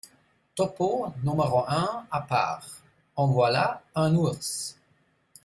Topeau , n° un, à part. — En voilà un ours !